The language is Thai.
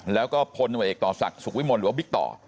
แล้วก็ผลตำแหน่งกิจต่อศักดิ์สุขวิมลหรือว่าบิตต่อ